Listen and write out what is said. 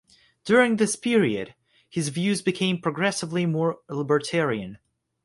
During this period his views became progressively more libertarian.